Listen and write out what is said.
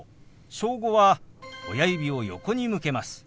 「小５」は親指を横に向けます。